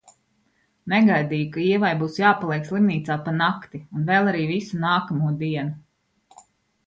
Negaidīju, ka Ievai būs jāpaliek slimnīcā pa nakti un vēl arī visu nākamo dienu.